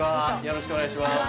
よろしくお願いします